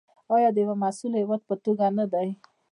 آیا د یو مسوول هیواد په توګه نه دی؟